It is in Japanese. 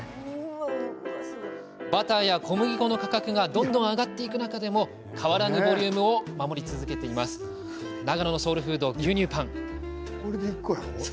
バターや小麦粉の価格がどんどん上がっていく中でも変わらぬボリュームを守り続けている長野のソウルフード、牛乳パン。